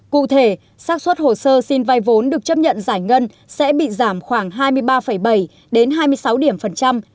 cụ thể sát xuất hồ sơ xin vay vốn được chấp nhận giải ngân sẽ bị giảm khoảng hai mươi ba bảy đến hai mươi sáu điểm phần trăm